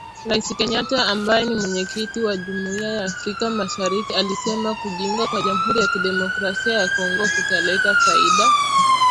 Rais Kenyatta ambaye ni Mwenyekiti wa Jumuiya ya Afrika Mashariki alisema kujiunga kwa Jamhuri ya Kidemokrasia ya Kongo kutaleta faida